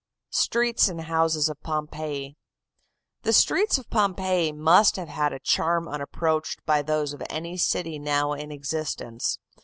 STREETS AND HOUSES OF POMPEII "The streets of Pompeii must have had a charm unapproached by those of any city now in existence.